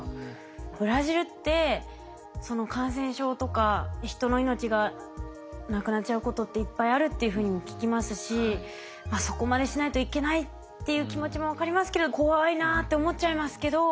ブラジルってその感染症とか人の命がなくなっちゃうことっていっぱいあるっていうふうにも聞きますしそこまでしないといけないっていう気持ちも分かりますけど怖いなぁって思っちゃいますけど。